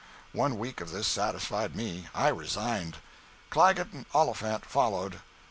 One week of this satisfied me. I resigned. Clagget and Oliphant followed.